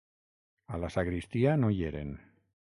A la sagristia no hi eren